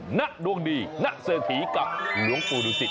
หน้าดวงดีหน้าเสถีกับหลวงปูดุสิต